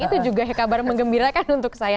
itu juga kabar mengembirakan untuk saya